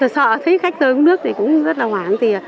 các cô thấy rất là sợ thấy khách tới nước cũng rất là hoảng